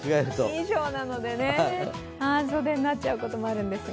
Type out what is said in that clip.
衣装なので半袖になっちゃうこともあるんですが。